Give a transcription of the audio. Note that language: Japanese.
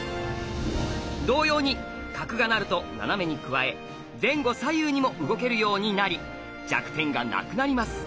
同様に角が成ると斜めに加え前後左右にも動けるようになり弱点がなくなります。